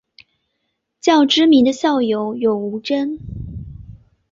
较知名的校友有吴峥。